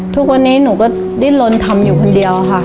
ทุกวันนี้หนูก็ดิ้นลนทำอยู่คนเดียวค่ะ